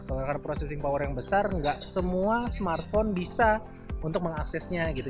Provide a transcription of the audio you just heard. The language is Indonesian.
karena processing power yang besar nggak semua smartphone bisa untuk mengaksesnya gitu